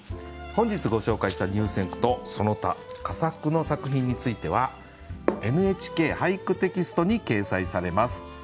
本日ご紹介した入選句とその他佳作の作品については「ＮＨＫ俳句」テキストに掲載されます。